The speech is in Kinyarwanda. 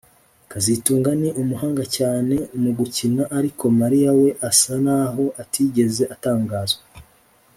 kazitunga ni umuhanga cyane mu gukina ariko Mariya we asa naho atigeze atangazwa